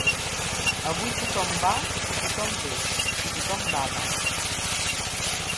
Avui tothom va i tothom ve, i tothom bada.